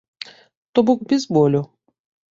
То бок без болю.